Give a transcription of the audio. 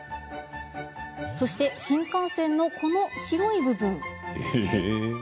そして、新幹線のこの白い部分。